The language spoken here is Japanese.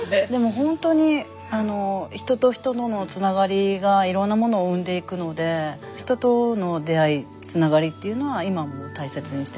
ほんとに人と人とのつながりがいろんなものを生んでいくので人との出会いつながりっていうのは今も大切にしてますね。